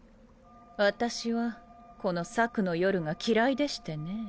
私はこの朔の夜が嫌いでしてね。